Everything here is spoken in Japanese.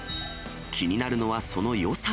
気になるのはその予算。